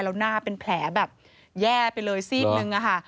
แล้วหน้าเป็นแผลแบบแย่ไปเลยซีกนึงอะค่ะ